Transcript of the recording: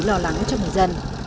lợi lắng cho người dân